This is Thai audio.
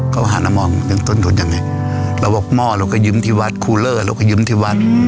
ก็ว่าหานมองเป็นต้นทุนยังไงระวบหม้อเราก็ยืมที่วัดคูลเลอร์เราก็ยืมที่วัด